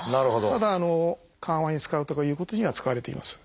ただ緩和に使うとかいうことには使われています。